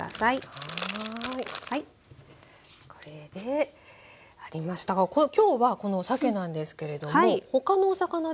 これで入りましたが今日はこのさけなんですけれども他のお魚でもいいですか？